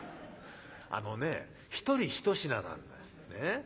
「あのねえ一人一品なんだよ。ねえ？